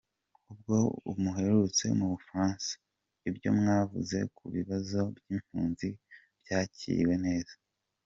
Ubwo muherutse mu Bufaransa, ibyo mwavuze ku kibazo cy’impunzi byakiriwe neza.